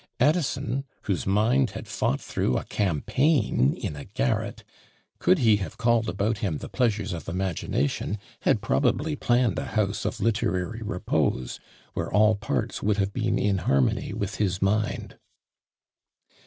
Addison, whose mind had fought through "a campaign!" in a garret, could he have called about him "the pleasures of imagination," had probably planned a house of literary repose, where all parts would have been in harmony with his mind.